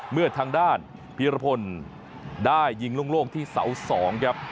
เมื่อทางด้านพิรพลได้ยิงโล่งที่เสา๒ครับ